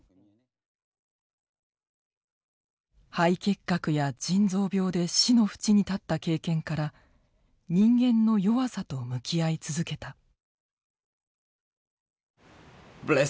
肺結核や腎臓病で死のふちに立った経験から人間の弱さと向き合い続けた。